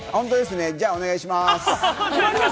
じゃあ、お願いします。